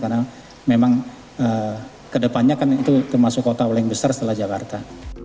karena memang ke depannya kan itu termasuk kota yang besar setelah jakarta